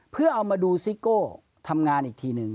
เพื่อเอามาดูซิโก้ทำงานอีกทีหนึ่ง